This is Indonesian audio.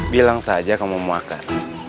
bilang saja kamu makan